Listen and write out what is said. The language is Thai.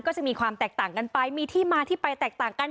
ก็จะมีความแตกต่างกันไปมีที่มาที่ไปแตกต่างกัน